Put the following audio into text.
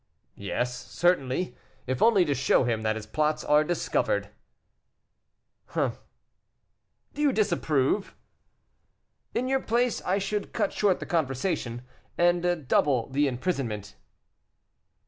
"Yes, certainly, if only to show him that his plots are discovered." "Hum!" "Do you disapprove?" "In your place I should cut short the conversation, and double the imprisonment."